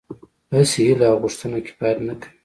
هسې هيله او غوښتنه کفايت نه کوي.